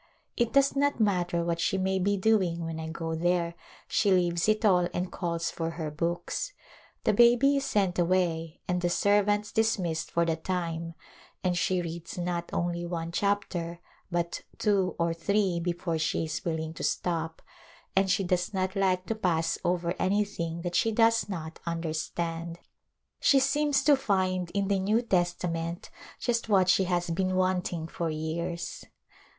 It does not matter what she may be doing when I go there she leaves it all and calls for her books ; the baby is sent away and the servants dismissed for the time and she reads not only one chapter but two or three before she is will ing to stop, and she does not like to pass over any thing that she does not understand. She seems to find in the New Testament just what she has been want ing for years.